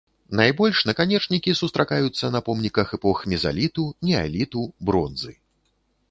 Найбольш наканечнікі сустракаюцца на помніках эпох мезаліту, неаліту, бронзы.